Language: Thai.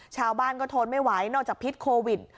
ชาวบ้านก็ทนไม่ไหวนอกจากพิษโควิด